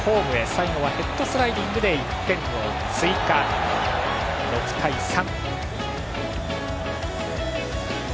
最後はヘッドスライディングで１点を追加、６対３。